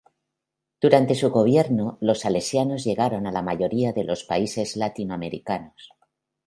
Durante su gobierno, los salesianos llegaron a la mayoría de los países latinoamericanos.